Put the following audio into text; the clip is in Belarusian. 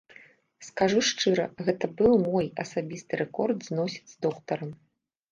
Скажу шчыра, гэта быў мой асабісты рэкорд зносін з доктарам.